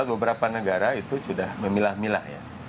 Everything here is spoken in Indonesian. beberapa negara itu sudah memilah milah ya